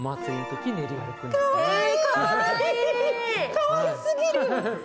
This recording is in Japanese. かわいすぎる。